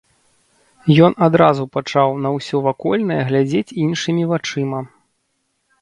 Ён адразу пачаў на ўсё вакольнае глядзець іншымі вачыма.